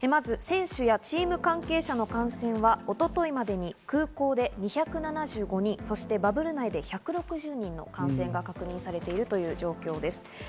選手やチーム関係者の感染は一昨日までに空港で２７５人、バブル内で１６０人の感染が確認されているという状況です。